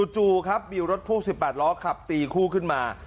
จู่ครับมีรถพ่วง๑๘ล้อขับตีคู่ขึ้นมา